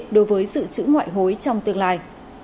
đối với sự chữ ngoại hối trong tương lai